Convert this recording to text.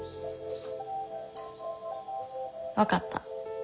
分かった。